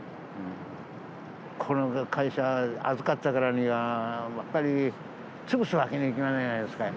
この会社を預かったからには、やっぱり潰すわけにはいかないですから。